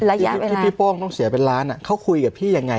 ระยะเวลาพี่ป้องต้องเสียเป็นล้านอ่ะเขาคุยกับพี่ยังไง